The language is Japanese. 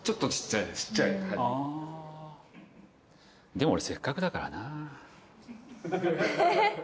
あでもせっかくだからな。